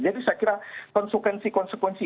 jadi saya kira konsekuensi konsekuensi